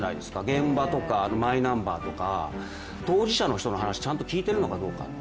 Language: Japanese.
現場とかマイナンバーとか、当事者の人の話ちゃんと聞いてるのかどうか。